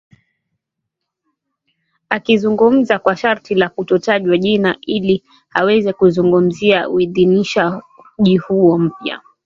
Akizungumza kwa sharti la kutotajwa jina ili aweze kuzungumzia uidhinishaji huo mpya.